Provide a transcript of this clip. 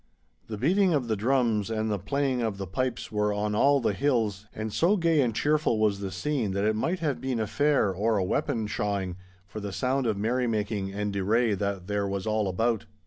The beating of the drums and the playing of pipes were on all the hills; and so gay and cheerful was the scene that it might have been a fair or a weapon shawing, for the sound of merrymaking and deray that there was all about.